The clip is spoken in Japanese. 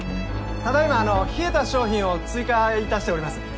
ただいまあの冷えた商品を追加いたしております。